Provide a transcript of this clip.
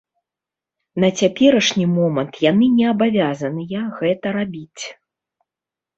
На цяперашні момант яны не абавязаныя гэта рабіць.